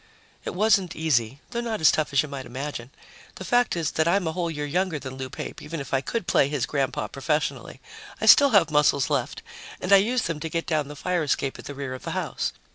It wasn't easy, though not as tough as you might imagine. The fact is that I'm a whole year younger than Lou Pape, even if I could play his grandpa professionally. I still have muscles left and I used them to get down the fire escape at the rear of the house.